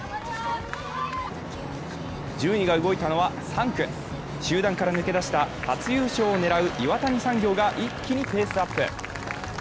順位が動いたのは３区、集団から抜け出した初優勝をねらう岩谷産業が一気にペースアップ。